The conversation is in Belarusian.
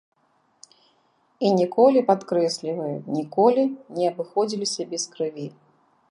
І ніколі, падкрэсліваю, ніколі не абыходзіліся без крыві.